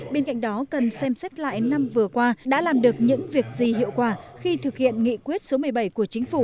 bên cạnh đó cần xem xét lại năm vừa qua đã làm được những việc gì hiệu quả khi thực hiện nghị quyết số một mươi bảy của chính phủ